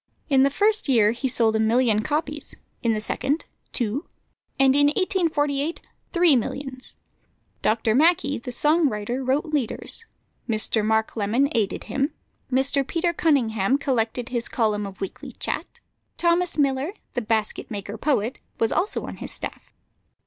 In the first year he sold a million copies; in the second, two; and in 1848, three millions. Dr. Mackay, the song writer, wrote leaders; Mr. Mark Lemon aided him; Mr. Peter Cunningham collected his column of weekly chat; Thomas Miller, the basket maker poet, was also on his staff.